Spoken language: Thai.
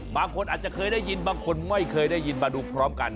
บางคนอาจจะเคยได้ยินบางคนไม่เคยได้ยินมาดูพร้อมกัน